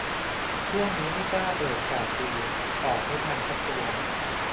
ช่วงนี้ไม่กล้าเปิดพอร์ตดู ออกไม่ทันสักตัว